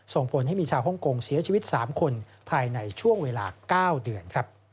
ส่งผลให้มีชาวฮ่องกงเสียชีวิต๓คนภายในช่วงเวลา๙เดือน